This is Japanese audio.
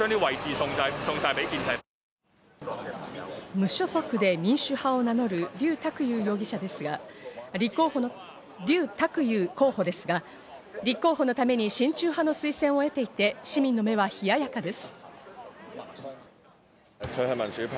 無所属で民主派を名乗るリュウ・タクユウ候補ですが、立候補のために親中派の推薦を得ていて、市民の目は冷ややかです。